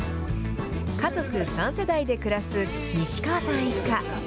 家族３世代で暮らす西川さん一家。